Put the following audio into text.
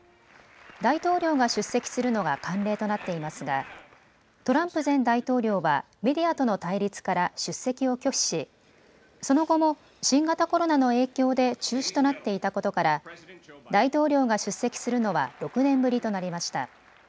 大統領が出席するのが慣例となっていますがトランプ前大統領はメディアとの対立から出席を拒否しその後も新型コロナの影響で中止となっていたことから大統領が出席するのは６年ぶりとなりました。